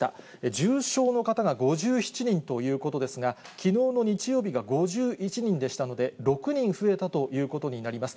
重症の方が５７人ということですが、きのうの日曜日が５１人でしたので、６人増えたということになります。